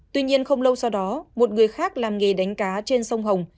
tuy nhiên không lâu sau đó một người khác làm nghề đánh cá trên sông hồng